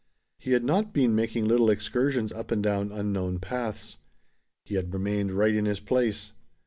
He had not been making little excursions up and down unknown paths. He had remained right in his place.